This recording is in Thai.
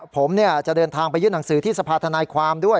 ผมจะเดินทางไปยื่นหนังสือที่สภาธนายความด้วย